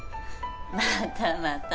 またまた。